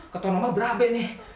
ketua nombor berabe nih